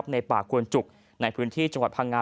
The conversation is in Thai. ในป่ากวนจุกในพื้นที่จังหวัดพังงา